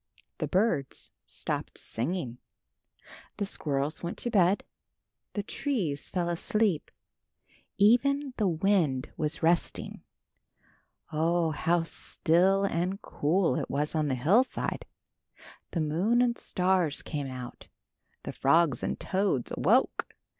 The birds stopped singing. The squirrels went to bed. The trees fell asleep. Even the wind was resting. Oh, how still and cool it was on the hillside! The moon and stars came out. The frogs and toads awoke.